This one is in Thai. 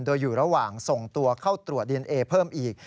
โดยอยู่ระหว่างส่งตัวเข้าตรวจดีเอนเอเพิ่มอีก